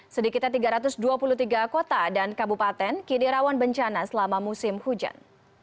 sedikitnya tiga ratus dua puluh tiga kota dan kabupaten kini rawan bencana selama musim hujan